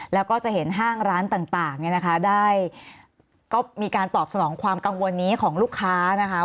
แล้วก็จะเห็นห้างร้านต่างเนี่ยนะคะได้ก็มีการตอบสนองความกังวลนี้ของลูกค้านะคะ